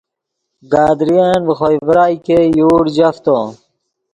گدرین ڤے خوئے ڤرائے ګئے یوڑ جفتو